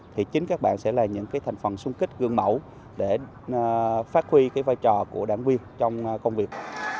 thì chính các bạn sẽ là những cái thành phần sung kích gương mẫu để phát huy cái vai trò của đảng viên trong công việc